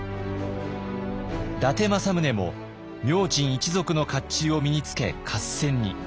伊達政宗も明珍一族の甲冑を身につけ合戦に。